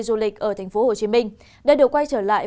du lịch ở tp hcm đã được quay trở lại